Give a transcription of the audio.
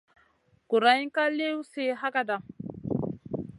Guroyna ka liw sih hagada.